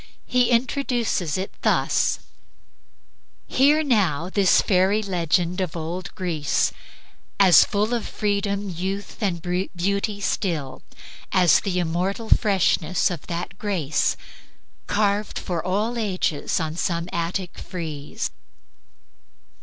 He introduces it thus: "Hear now this fairy legend of old Greece, As full of freedom, youth and beauty still, As the immortal freshness of that grace Carved for all ages on some Attic frieze."